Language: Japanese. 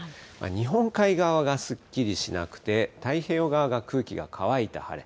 日本海側がすっきりしなくて、太平洋側が空気が乾いた晴れ。